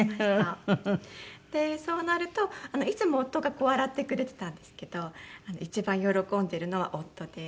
そうなるといつも夫が洗ってくれてたんですけど一番喜んでるのは夫で。